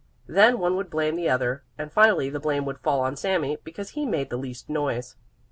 Then one would blame the other, and finally the blame would fall on Sami, because he made the least noise.